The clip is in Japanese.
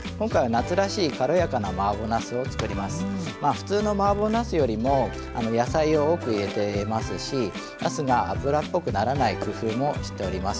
ふつうのマーボーなすよりも野菜を多く入れてますしなすが油っぽくならない工夫もしております。